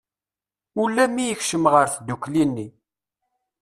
Ula mi yekcem ɣer tddukli-nni.